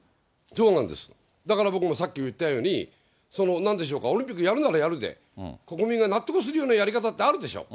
だから僕もさっきも言ったように、なんでしょうか、オリンピック、やるならやるで、国民が納得するようなやり方ってあるでしょ。